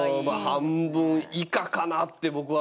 半分以下かなって、僕は。